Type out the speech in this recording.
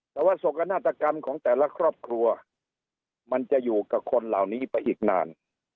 แต่ว่าโศกนาฏกรรมของแต่ละครอบครัวมันจะอยู่กับคนเหล่านี้ไปอีกนาน